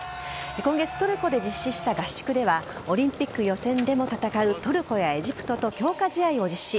今月、トルコで実施した合宿ではオリンピック予選でも戦うトルコやエジプトと強化試合を実施。